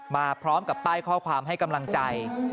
มาพร้อมกับป้ายข้อความให้กำลังใจ